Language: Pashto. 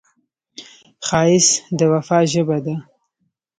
ښایست د وفا ژبه ده